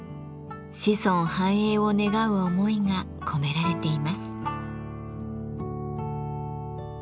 子孫繁栄を願う思いが込められています。